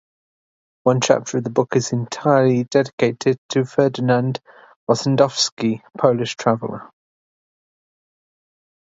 One chapter of the book is entirely dedicated to Ferdynand Ossendowski, Polish traveller.